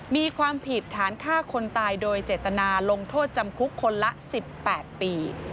มีความผิดฐานฆ่าคนตายโดยเจตนาลงโทษจำคุกคนละ๑๘ปี